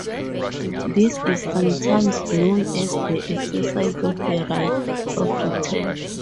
This is sometimes known as the exercise of the right of return.